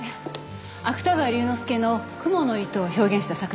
芥川龍之介の『蜘蛛の糸』を表現した作品です。